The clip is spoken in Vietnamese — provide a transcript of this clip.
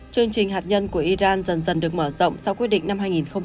chương trình hạt nhân của iran dần dần được mở rộng sau quyết định năm hai nghìn một mươi